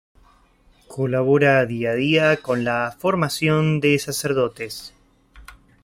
Colabora día a día con la formación de sacerdotes.